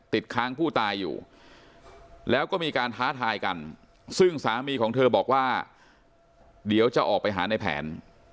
ติดค้างผู้ตายอยู่แล้วก็มีการท้าทายกันซึ่งสามีของเธอบอกว่าเดี๋ยวจะออกไปหาในแผน